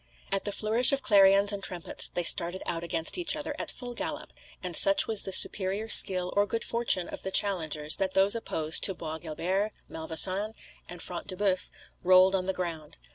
At the flourish of clarions and trumpets they started out against each other at full gallop; and such was the superior skill or good fortune of the challengers, that those opposed to Bois Guilbert, Malvoisin, and Front de Boeuf rolled on the ground.